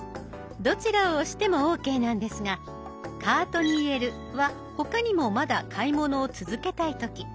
どちらを押してもオーケーなんですが「カートに入れる」は他にもまだ買い物を続けたい時。